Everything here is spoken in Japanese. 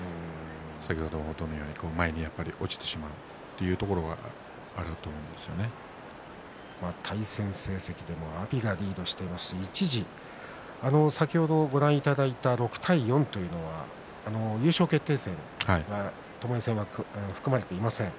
先ほどのように前に落ちてしまうというところが対戦成績でも阿炎はリードしていますし一時、先ほどご覧いただいた６対４というのは優勝決定戦、ともえ戦は含まれていません。